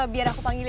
biar aku panggilin